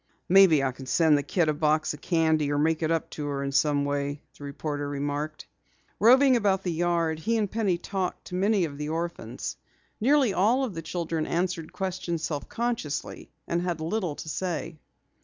"Maybe I can send the kid a box of candy or make it up to her in some way," the reporter remarked. Roving about the yard, he and Penny talked to many of the orphans. Nearly all of the children answered questions self consciously and had little to say.